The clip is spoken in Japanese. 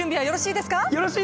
よろしいです！